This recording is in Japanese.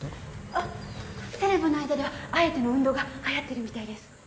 あっセレブの間ではあえての運動がはやってるみたいです。